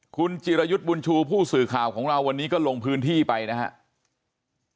คุณจิรยุทธ์บุญชูผู้สื่อข่าวของเราวันนี้ก็ลงพื้นที่ไปนะครับ